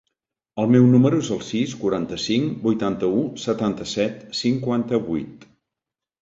El meu número es el sis, quaranta-cinc, vuitanta-u, setanta-set, cinquanta-vuit.